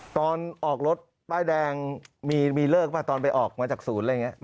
ตอนออกรถป้ายแดงมีเลิกป่ะตอนไปออกมาจากศูนย์อะไรอย่างนี้